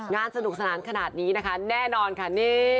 สนุกสนานขนาดนี้นะคะแน่นอนค่ะนี่